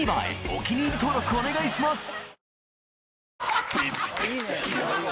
お気に入り登録お願いします